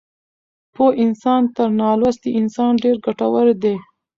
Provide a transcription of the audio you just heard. پوه انسان تر نالوستي انسان ډېر ګټور دی.